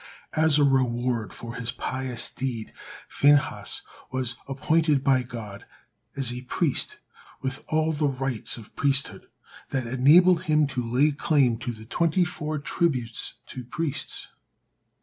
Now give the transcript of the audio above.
As a reward for his pious deed Phinehas was appointed by God as a priest with all the rights of priesthood, that enabled him to lay claim to the twenty four tributes to priests.